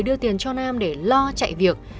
đưa tiền cho nam để lo chạy việc